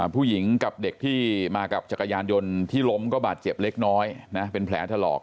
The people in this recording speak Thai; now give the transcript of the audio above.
ผู้หญิงกับเด็กที่มากับจักรยานยนต์ที่ล้มก็บาดเจ็บเล็กน้อยนะเป็นแผลถลอก